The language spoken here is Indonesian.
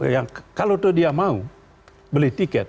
ya kalau itu dia mau beli tiket